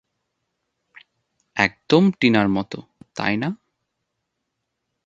একদম টিনার মতো তাই না?